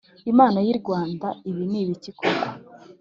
Inama y'irwanda ibinibiki koko